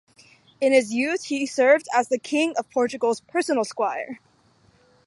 In his youth he served as the King of Portugal's personal squire.